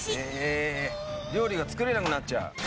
えーっ料理が作れなくなっちゃう。